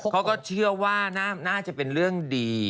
เขาก็เชื่อว่าน่าจะเป็นเรื่องดี